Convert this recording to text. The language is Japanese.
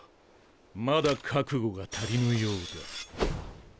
まだ覚悟が足りぬようだ。